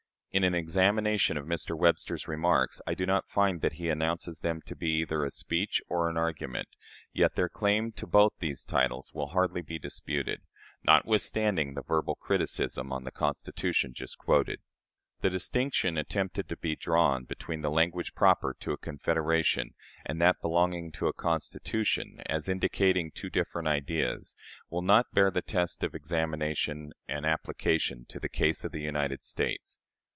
In an examination of Mr. Webster's remarks, I do not find that he announces them to be either a speech or an argument; yet their claim to both these titles will hardly be disputed notwithstanding the verbal criticism on the Constitution just quoted. The distinction attempted to be drawn between the language proper to a confederation and that belonging to a constitution, as indicating two different ideas, will not bear the test of examination and application to the case of the United States.